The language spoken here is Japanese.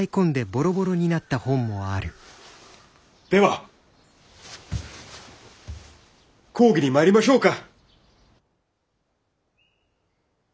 では講義に参りましょうか。